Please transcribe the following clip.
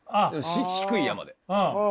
低い山で。